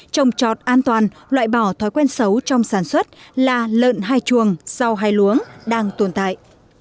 trồng trọt an toàn loại bỏ thói quen xấu trong sản xuất là lợn hay chuồng rau hay luống đang tồn tại